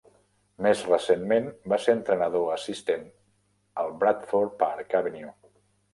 Més recentment, va ser entrenador assistent al Bradford Park Avenue.